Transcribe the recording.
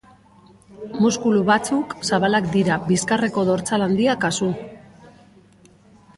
Muskulu batzuk zabalak dira bizkarreko dortsal handia kasu.